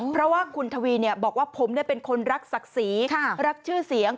เพราะว่าคุณทวีบอกว่าผมเป็นคนรักศักดิ์ศรีรักชื่อเสียง